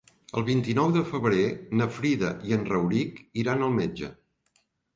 El vint-i-nou de febrer na Frida i en Rauric iran al metge.